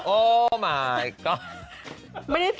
โอ้มายก๊อด